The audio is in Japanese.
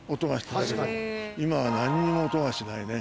今はなんにも音がしないね。